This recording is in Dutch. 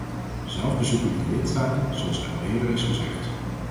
Zelf bezoek ik de lidstaten, zoals al eerder is gezegd.